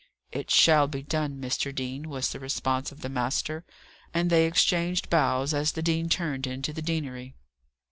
"It shall be done, Mr. Dean," was the response of the master; and they exchanged bows as the dean turned into the deanery.